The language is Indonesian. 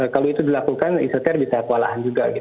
kalau itu dilakukan isoter bisa kualahan juga gitu